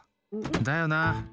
だよな！